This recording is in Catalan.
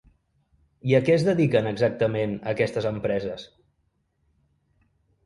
I a què es dediquen exactament aquestes empreses?